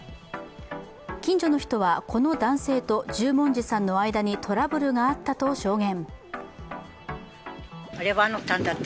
近所の人は、この男性と十文字さんの間にトラブルがあったと証言。